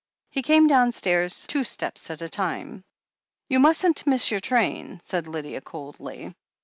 He came downstairs two steps at a time. "You mustn't miss your train," said Lydia coldly.